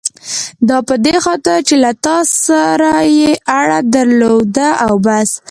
دا په دې خاطر چې له تا سره یې اړه درلوده او بس.